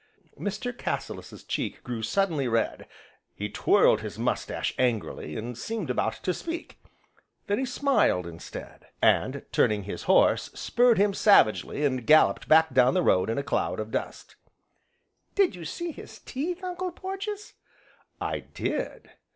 Mr. Cassilis's cheek grew suddenly red, he twirled his moustache angrily, and seemed about to speak, then he smiled instead, and turning his horse, spurred him savagely, and galloped back down the road in a cloud of dust. "Did you see his teeth, Uncle Porges?" "I did."